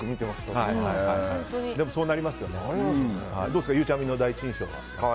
どうですかゆうちゃみの第一印象は。